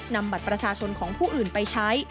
นำบัตรประชาชนของผู้อื่นไปใช้